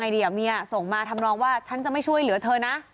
ไว้และพี่สนมาทำน้องว่าฉันจะไม่ช่วยเหลือเธอน่ะ